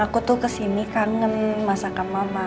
aku tuh kesini kangen masakan mama